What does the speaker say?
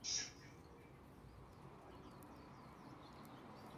马战车为古代常见的军事战斗车辆与运输工具。